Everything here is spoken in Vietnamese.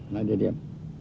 nói địa điểm